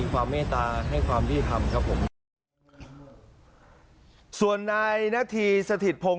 ความเมตาให้ความดีทำครับผมส่วนในนักทีสถิตพง